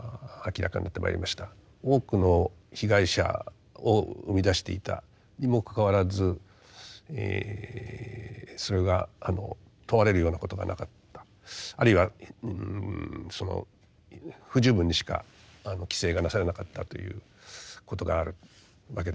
多くの被害者を生み出していたにもかかわらずそれが問われるようなことがなかったあるいは不十分にしか規制がなされなかったということがあるわけですね。